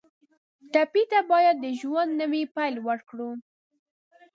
ټپي ته باید د ژوند نوی پیل ورکړو.